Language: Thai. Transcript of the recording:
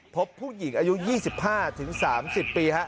พบผู้หญิงอายุ๒๕ถึง๓๐ปีฮะ